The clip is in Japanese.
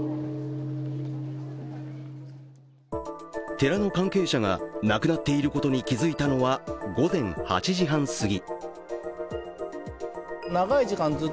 寺の関係者が、なくなっていることに気づいたのは午前８時半すぎ。